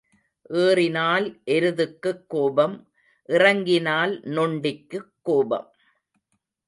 ஏறினால் எருதுக்குக் கோபம் இறங்கினால் நொண்டிக்குக் கோபம்.